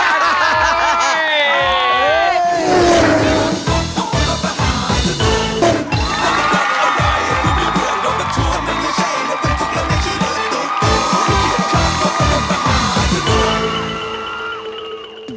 มันเป็นเกียรติศาสตร์มันเป็นเรื่องมหาสนุก